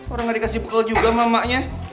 orang ga dikasih bekal juga sama emaknya